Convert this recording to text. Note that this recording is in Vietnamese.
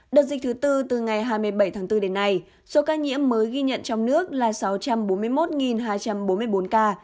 đợt dịch thứ tư từ ngày hai mươi bảy tháng bốn đến nay số ca nhiễm mới ghi nhận trong nước là sáu trăm bốn mươi một hai trăm bốn mươi bốn ca